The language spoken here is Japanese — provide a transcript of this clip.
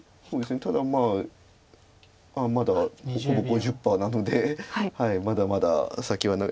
ただまあまだほぼ５０％なのでまだまだ先は長い。